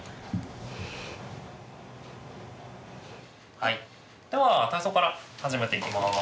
はいでは体操から始めていきます。